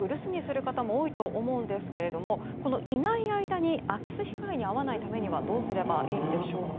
このゴールデンウィーク留守にする方も多いと思うんですがこのいない間に空き巣被害に遭わないためにはどうすればいいんでしょうか。